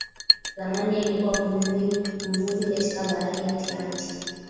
zamani alikuwa mvuvi katika bahari ya atlantik